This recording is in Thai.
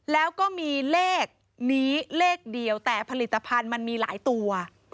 แล้วก็มีเลขนี้เลขเดียวแต่ผลิตภัณฑ์มันมีหลายตัว